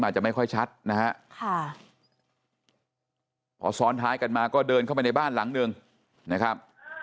อาจจะไม่ค่อยชัดนะฮะพอซ้อนท้ายกันมาก็เดินเข้าไปในบ้านหลังหนึ่งนะครับ